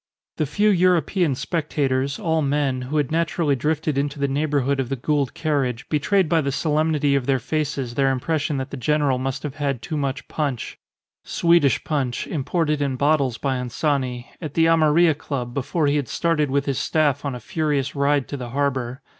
The few European spectators, all men, who had naturally drifted into the neighbourhood of the Gould carriage, betrayed by the solemnity of their faces their impression that the general must have had too much punch (Swedish punch, imported in bottles by Anzani) at the Amarilla Club before he had started with his Staff on a furious ride to the harbour.